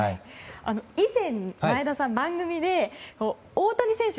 以前、前田さん番組で大谷選手